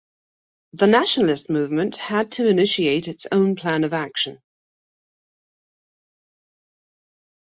The nationalist movement had to initiate its own plan of action.